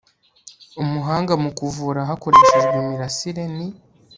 umuhanga mu kuvura hakoreshejwe imirasire ni